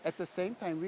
dan pada saat itu